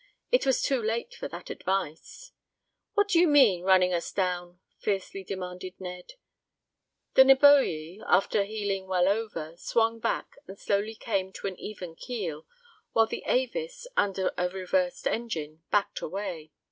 It was too late for that advice. "What do you mean running us down?" fiercely demanded Ned. The Neboje, after heeling well over, swung back, and slowly came to an even keel, while the Avis, under a reversed engine, backed away.